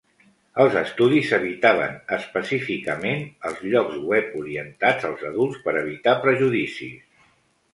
Els estudis evitaven específicament els llocs web orientats als adults per evitar prejudicis.